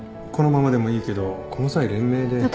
このままでもいいけどこの際連名で。